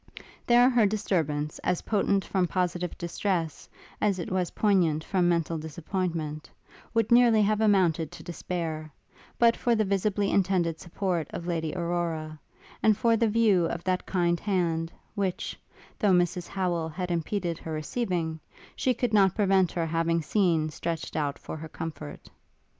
There her disturbance, as potent from positive distress, as it was poignant from mental disappointment, would nearly have amounted to despair, but for the visibly intended support of Lady Aurora; and for the view of that kind hand, which, though Mrs Howel had impeded her receiving, she could not prevent her having seen stretched out for her comfort.